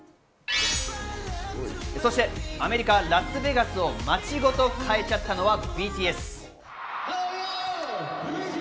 そしてアメリカ・ラスベガスを街ごと変えちゃったのはＢＴＳ。